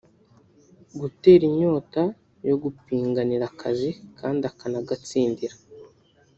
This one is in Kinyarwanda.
kugutera inyota yo gupiganira akazi kandi ukanagatsindira